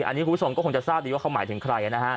อันนี้คุณผู้ชมก็คงจะทราบดีว่าเขาหมายถึงใครนะฮะ